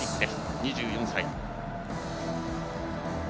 ２４歳。